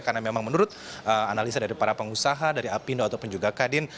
karena memang menurut analisa dari para pengusaha dari apindo ataupun juga kadin